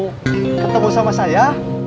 ketemu sama saya